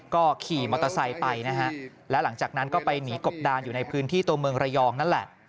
ก็ขี่มอเตอร์ไซค์ไปนะฮะแล้วหลังจากนั้นก็ไปหนีกบดานอยู่ในพื้นที่ตัวเมืองระยองนั่นแหละ